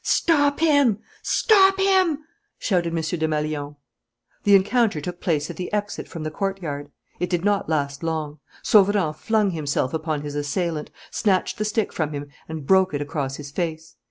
"Stop him! Stop him!" shouted M. Desmalions. The encounter took place at the exit from the courtyard. It did not last long. Sauverand flung himself upon his assailant, snatched the stick from him, and broke it across his face.